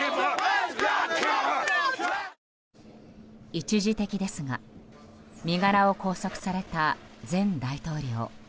一時的ですが身柄を拘束された前大統領。